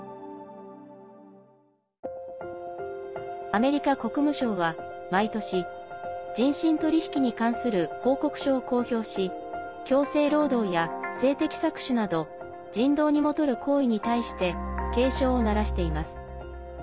アメリカ国務省は毎年人身取引に関する報告書を公表し強制労働や性的搾取など人道にもとる行為に対して警鐘を鳴らしています。